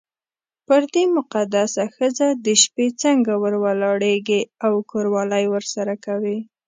پر دې مقدسه ښځه د شپې څنګه ور ولاړېږې او کوروالی ورسره کوې.